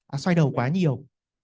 à xoay đầu quá nhiều